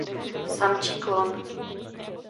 Samčí klon.